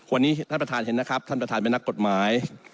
วันนี้ท่านประธานเห็นนะครับท่านประธานเป็นนักกฎหมาย